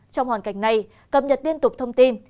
trong hoàn cảnh này cập nhật liên tục thông tin